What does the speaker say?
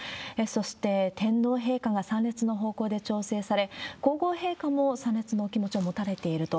そして、天皇陛下が参列の方向で調整され、皇后陛下も参列のお気持ちを持たれていると。